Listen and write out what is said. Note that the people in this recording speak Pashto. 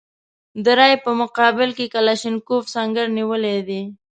د رایې په مقابل کې کلاشینکوف سنګر نیولی دی.